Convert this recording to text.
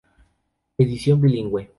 Edición bilingüe.